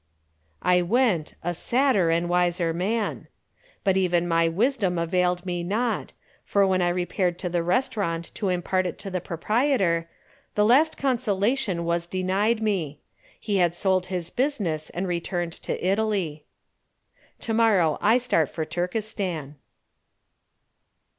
I went a sadder and a wiser man. But even my wisdom availed me not, for when I repaired to the restaurant to impart it to the proprietor, the last consolation was denied me. He had sold his business and returned to Italy. To morrow I start for Turkestan.